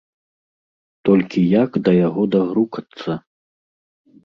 Толькі як да яго дагрукацца?